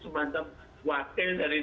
mereka sedang dalam kondisi sebetulnya